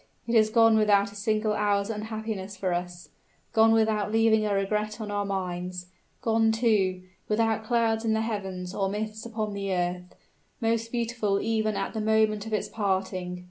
It is gone without a single hour's unhappiness for us gone without leaving a regret on our minds gone, too, without clouds in the heavens or mists upon the earth, most beautiful even at the moment of its parting!